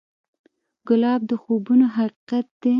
ګلاب د خوبونو حقیقت دی.